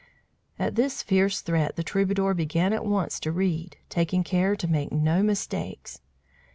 At this fierce threat, the troubadour began at once to read, taking care to make no mistakes.